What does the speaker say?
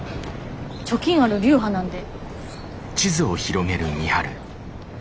貯金ある流派なんで。